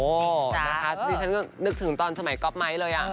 โอ้โฮนะคะพี่ฉันก็นึกถึงตอนสมัยก๊อบไมค์เลยอ่ะ